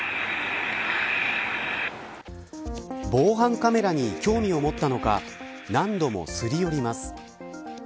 防犯カメラに興味を持ったのか何度もすり寄ります。